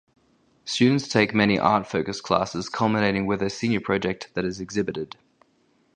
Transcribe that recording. Students take many art-focused classes culminating with a senior project that is exhibited.